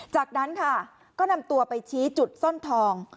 จากนั้นค่ะก็นำตัวไปชี้จุดซ่อนทอง